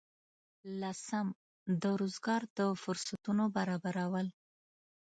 لسم: د روزګار د فرصتونو برابرول.